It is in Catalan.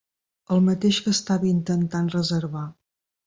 El mateix que estava intentant reservar.